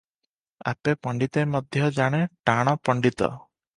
ଆପେ ପଣ୍ତିତେ ମଧ୍ୟ ଜଣେ ଟାଣ ପଣ୍ତିତ ।